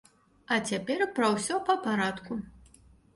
А цяпер пра ўсё па парадку.